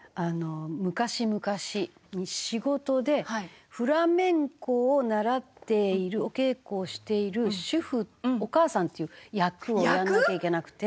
昔々仕事でフラメンコを習っているお稽古をしている主婦お母さんっていう役をやらなきゃいけなくて。